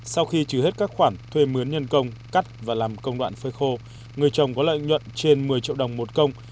sau khi trừ hết các khoản thuê mướn nhân công cắt và làm công đoạn phơi khô người chồng có lợi nhuận trên một mươi triệu đồng một công